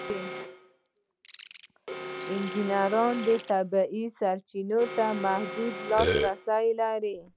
انجینران د طبیعت سرچینو ته محدود لاسرسی لري.